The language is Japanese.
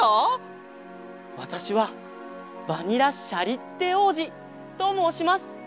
わたしはバニラ・シャリッテおうじともうします。